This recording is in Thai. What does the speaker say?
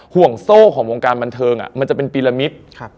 ห่วงโซ่ของวงการบันเทิงมันจะเป็นปีละมิตร